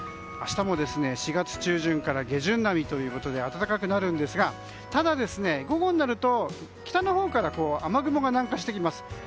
明日も４月中旬から下旬並みということで暖かくなるんですがただ、午後になると北のほうから雨雲が南下してきます。